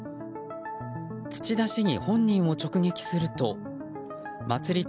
土田市議本人を直撃すると祭り